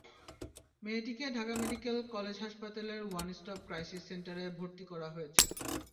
মেয়েটিকে Dhaka medical college হাসপাতালের one stop crisis সেন্টারে ভর্তি করা হয়েছে।